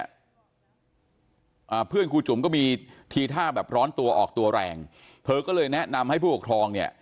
อ่าเพื่อนครูจุ๋มก็มีทีท่าแบบร้อนตัวออกตัวแรงเธอก็เลยแนะนำให้ผู้ปกครองเนี่ย